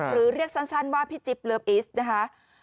เรียกสั้นว่าพี่จิ๊บเลิฟอิสนะคะ